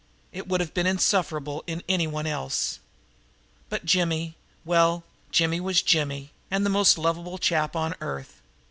It would have been insufferable in anyone else; but Jimmy well, Jimmy was Jimmy, and the most lovable chap on earth.